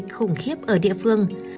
bệnh dịch khủng khiếp ở địa phương